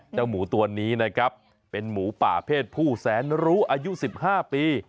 นี่แหละเจ้าหมูตัวนี้นะครับเป็นหมูป่าเพศผู้แสนรู้อายุสิบห้าปี